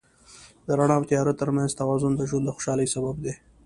د رڼا او تیاره تر منځ توازن د ژوند د خوشحالۍ سبب دی.